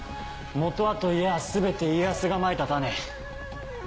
本はといやぁ全て家康がまいた種。